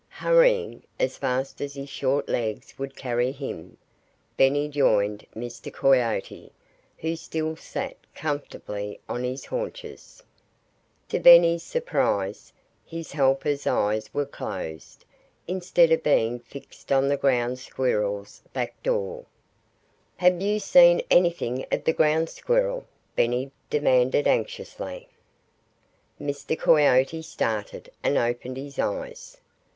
Hurrying as fast as his short legs would carry him, Benny joined Mr. Coyote, who still sat comfortably on his haunches. To Benny's surprise, his helper's eyes were closed, instead of being fixed on the Ground Squirrel's back door. "Have you seen anything of the Ground Squirrel?" Benny demanded anxiously. Mr. Coyote started, and opened his eyes.